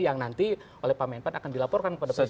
yang nanti oleh pak menpan akan dilaporkan kepada presiden